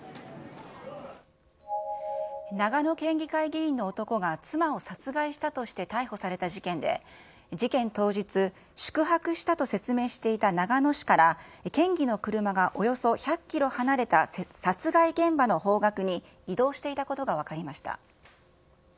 長野県議会議員の男が妻を殺害したとして逮捕された事件で、事件当日、宿泊したと説明していた長野市から、県議の車がおよそ１００キロ離れた殺害現場の方角に移動していたことが分かりました。